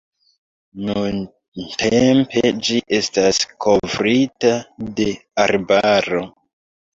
Nuntempe ĝi estas kovrita de arbaro.